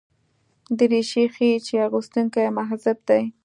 دریشي ښيي چې اغوستونکی مهذب دی.